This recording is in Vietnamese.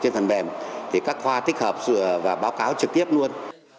trên phần mềm thì các khoa tích hợp và báo cáo trực tiếp luôn